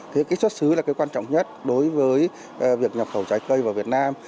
thế cái xuất xứ là cái quan trọng nhất đối với việc nhập khẩu trái cây vào việt nam